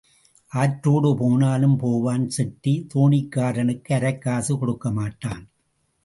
ஆற்றோடு போனாலும் போவான் செட்டி தோணிக்காரனுக்கு அரைக்காசு கொடுக்கமாட்டான்.